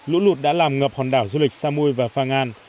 lũ lụt đã làm ngập hòn đảo du lịch samui và phang an